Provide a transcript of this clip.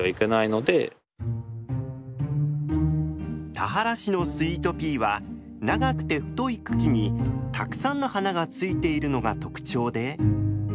田原市のスイートピーは長くて太い茎にたくさんの花がついているのが特長で。